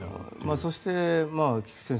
そして、菊地先生